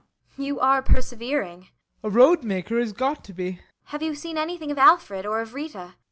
] You are persevering. BORGHEIM. A road maker has got to be. ASTA. Have you seen anything of Alfred? Or of Rita?